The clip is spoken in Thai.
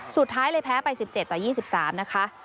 สุดท้ายเลยแพ้ไป๑๗ต่อ๒๓นะคะ